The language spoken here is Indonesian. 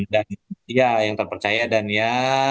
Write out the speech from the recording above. dan ya yang terpercaya dan ya